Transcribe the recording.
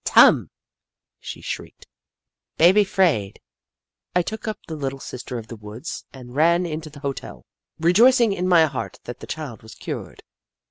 " Tum !" she shrieked. " Baby 'fraid !" I took up the Little Sister of the Woods and ran into the hotel, rejoicing in my heart that the child was cured.